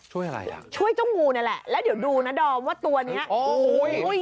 ช่วยอะไรอ่ะช่วยเจ้างูนี่แหละแล้วเดี๋ยวดูนะดอมว่าตัวเนี้ยโอ้โห